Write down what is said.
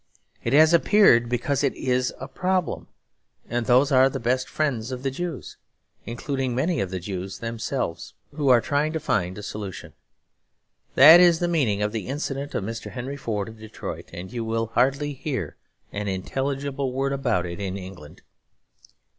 It has appeared because it is a problem; and those are the best friends of the Jews, including many of the Jews themselves, who are trying to find a solution. That is the meaning of the incident of Mr. Henry Ford of Detroit; and you will hardly hear an intelligible word about it in England.